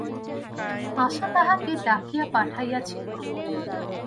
আশা তাহাকে ডাকিয়া পাঠাইয়াছিল।